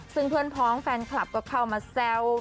ซึ่งเพื่อนพ้องแฟนคลับก็เข้ามาแซว